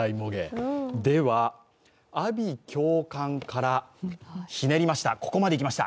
では、阿鼻叫喚からひねりました、